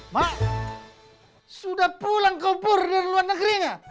mak sudah pulang kau pur dari luar negerinya